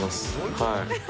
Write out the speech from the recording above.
はい。